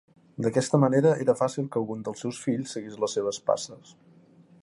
D'aquesta manera, era fàcil que algun dels seus fills seguís les seves passes.